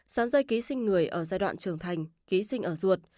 sắn dây ký sinh người ở giai đoạn trưởng thành ký sinh ở ruột